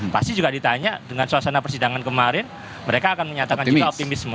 pasti juga ditanya dengan suasana persidangan kemarin mereka akan menyatakan juga optimisme